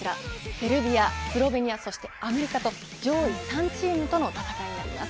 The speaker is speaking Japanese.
セルビア、スロベニアそしてアメリカと上位３チームとの戦いになります。